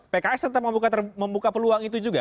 pks tetap membuka peluang itu juga